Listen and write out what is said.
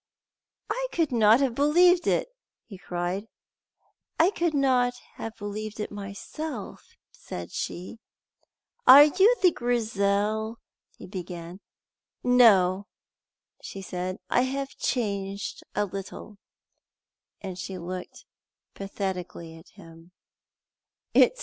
"I could not have believed it!" he cried. "I could not have believed it myself," said she. "Are you the Grizel " he began. "No," she said, "I have changed a little," and she looked pathetically at him.